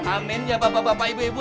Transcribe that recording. amin ya bapak bapak ibu ibu